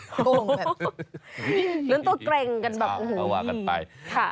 โกงแบบลุ้นตัวเกร็งกันแบบโอ้โหว่ากันไป